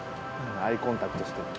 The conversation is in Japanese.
アイコンタクトしてる。